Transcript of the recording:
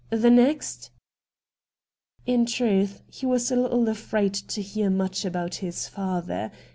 * The next ?' In truth, he was a little afraid to hear much about his father.